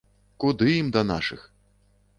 Куды ім да нашых!